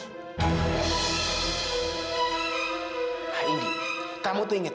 nah indi kamu tuh ingat